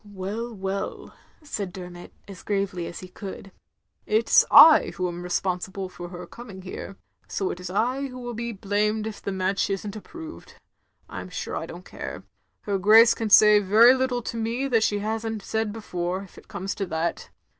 "Well, well," said Dermot, as gravely as he could. " It 's I who am responsible for her coming here; so it is I who will be blamed if the match isn't approved. I'm stire I don't care. Her Grace can say very little to me that she has n't said before, if it comes to that.